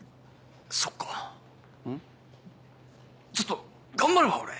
ちょっと頑張るわ俺。